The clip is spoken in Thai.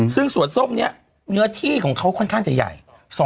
ซึ่งสวนส้มนี้เนื้อที่ของเขาค่อนข้างจะใหญ่